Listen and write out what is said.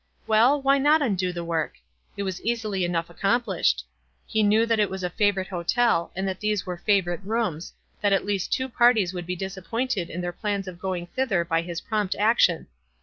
Well, why not undo the work? It was easily enough accomplished. He knew that it was a favorite hotel, and that these were favorite rooms — that at least two parties would be disappointed in their plans of going thither by his prompt action.